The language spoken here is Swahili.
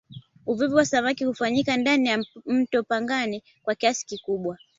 uvuvi wa samaki hufanyika ndani ya mto pangani kwa kiasi kikubwa